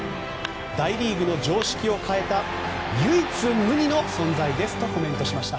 大リーグの常識を変えた唯一無二の存在ですとコメントしました。